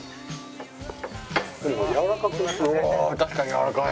やわらかくない？